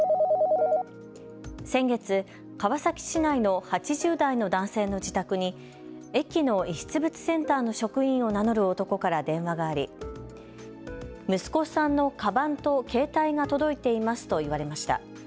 先月、川崎市内の８０代の男性の自宅に駅の遺失物センターの職員を名乗る男から電話があり息子さんのかばんと携帯が届いていますと言われました。